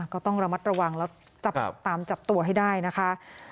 ก็ต้องระมัดระวังแล้วจับตามจับตัวให้ได้นะคะ